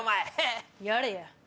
やれや。